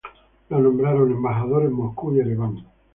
El fue nombrado embajador en Moscú y Ereván.